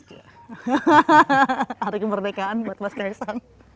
hari kemerdekaan buat mas kaisang